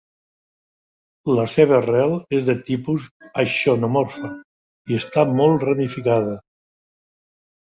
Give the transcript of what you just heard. La seva rel és de tipus axonomorfa i està molt ramificada.